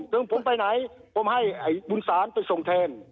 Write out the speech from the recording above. ถึงผมไปไหนผมให้บุญศาลไปส่งแทน